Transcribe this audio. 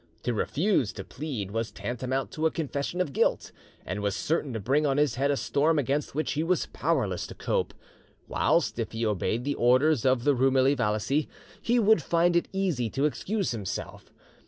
To refuse to plead was tantamount to a confession of guilt, and was certain to bring on his head a storm against which he was powerless to cope, whilst if he obeyed the orders of the roumeli valicy he would find it easy to excuse himself.